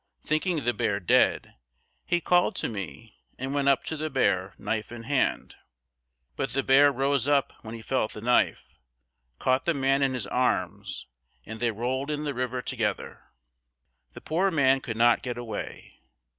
Thinking the bear dead, he called to me and went up to the bear, knife in hand. But the bear rose up when he felt the knife, caught the man in his arms and they rolled in the river together. The poor man could not get away.